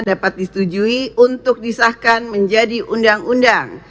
dapat disetujui untuk disahkan menjadi undang undang